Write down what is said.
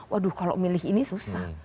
waduh kalau milih ini susah